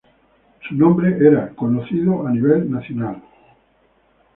Su nombre era conocido a nivel nacional.